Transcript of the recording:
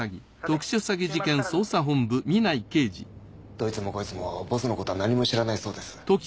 どいつもこいつもボスのことは何も知らないそうです。